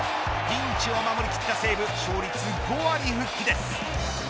ピンチを守り切った西武勝率５割復帰です。